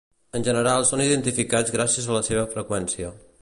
En general són identificats gràcies a la seva freqüència.